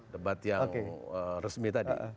debat yang resmi tadi